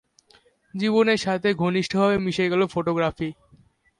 জীবনের সাথে ঘনিষ্ঠভাবে মিশে গেল ফটোগ্রাফি।